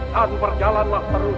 dan berjalanlah terus